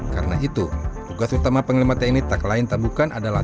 karena itu tugas utama panglima tni tak lain tak bukan adalah